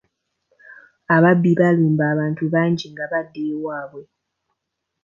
Ababbi balumba abantu bangi nga badda ewaabwe.